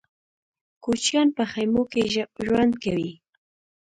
کوچيان په خيمو کې ژوند کوي.